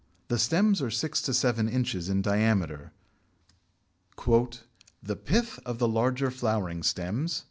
The stems are six to seven inches in diameter. "The pith of the larger flowering stems